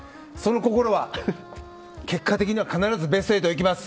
その心は結果的に必ずベスト８にいきます。